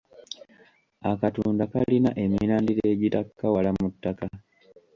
Akatunda kalina emirandira egittaka wala mu ttaka.